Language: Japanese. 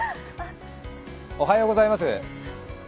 おはようございます。